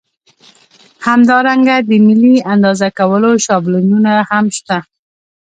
همدارنګه د ملي اندازه کولو شابلونونه هم شته.